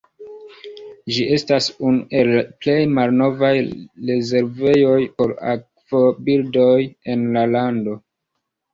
Ĝi estas unu el plej malnovaj rezervejoj por akvobirdoj en la lando.